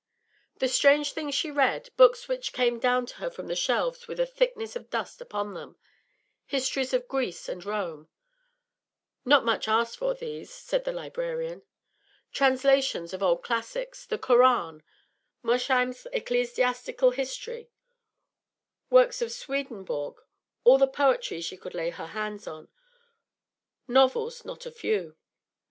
The strange things she read, books which came down to her from the shelves with a thickness of dust upon them; histories of Greece and Rome ('Not much asked for, these,' said the librarian), translations of old classics, the Koran, Mosheim's 'Ecclesiastical History,' works of Swedenborg, all the poetry she could lay hands on, novels not a few.